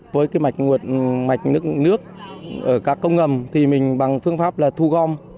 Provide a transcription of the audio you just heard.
với mạch nước ở các công ngầm thì mình bằng phương pháp là thu gom